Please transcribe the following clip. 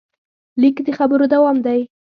لیک د خبرو دوام دی.